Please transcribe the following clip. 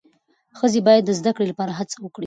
ښځې باید د زدهکړې لپاره هڅه وکړي.